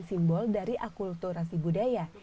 simbol dari akulturasi budaya